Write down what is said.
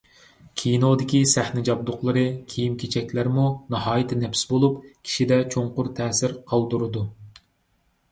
ﻛﯩﻨﻮﺩﯨﻜﻰ ﺳﻪﮪﻨﻪ ﺟﺎﺑﺪﯗﻗﻠﯩﺮى، ﻛﯩﻴﯩﻢ-ﻛﯧﭽﻪﻛﻠﻪﺭﻣﯘ ﻧﺎﮪﺎﻳﯩﺘﻰ ﻧﻪﭘﯩﺲ ﺑﻮﻟﯘﭖ، ﻛﯩﺸﯩﺪﻩ ﭼﻮﯕﻘﯘﺭ ﺗﻪﺳﯩﺮ ﻗﺎﻟﺪﯗﺭﯨﺪﯗ.